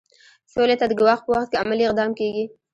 سولې ته د ګواښ په وخت کې عملي اقدام کیږي.